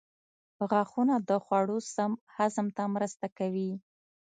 غاښونه د خوړو سم هضم ته مرسته کوي.